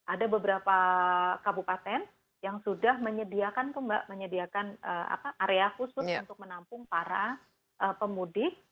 ada beberapa kabupaten yang sudah menyediakan area khusus untuk menampung para pemudik